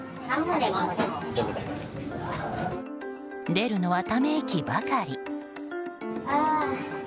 出るのは、ため息ばかり。